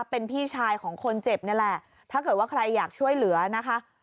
เป็นพี่ชายของคนเจ็บนี่แหละถ้าเกิดว่าใครอยากช่วยเหลือนะคะ